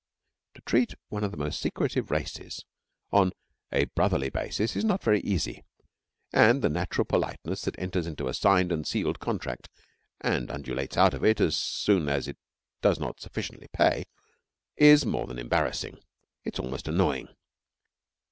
To treat one of the most secretive of races on a brotherly basis is not very easy, and the natural politeness that enters into a signed and sealed contract and undulates out of it so soon as it does not sufficiently pay is more than embarrassing. It is almost annoying.